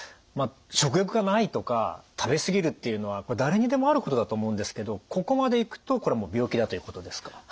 まあ食欲がないとか食べ過ぎるっていうのはこれ誰にでもあることだと思うんですけどここまでいくとこれはもう病気だということですか。